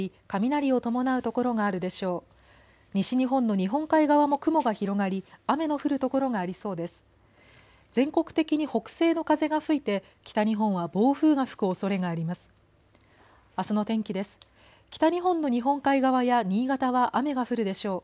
北日本の日本海側や新潟は雨が降るでしょう。